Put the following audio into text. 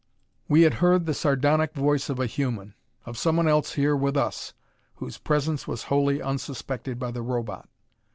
We had heard the sardonic voice of a human! Of someone else here with us, whose presence was wholly unsuspected by the Robot!